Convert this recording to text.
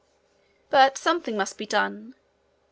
But something must be done.